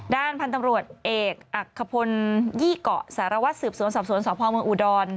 ด้านพันธุ์ตำรวจเอกอักขพลยี่เกาะสารวัตรสืบสวนสอบสวนสพเมืองอุดร